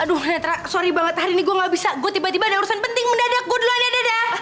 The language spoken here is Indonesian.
aduh netra sorry banget hari ini gue gak bisa gue tiba tiba ada urusan penting mendadak gue dulu andai dadah